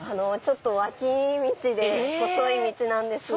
脇道で細い道なんですが。